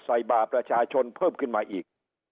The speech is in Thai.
บ่าประชาชนเพิ่มขึ้นมาอีก